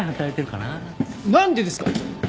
何でですか！